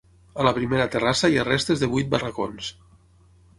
A la primera terrassa hi ha restes de vuit barracons.